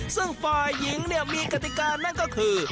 ซึ่งฝ่ายหญิงเนี่ยมีกติกานั่นก็คือ